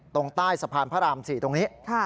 ตรงใต้สะพานพระราม๔ตรงนี้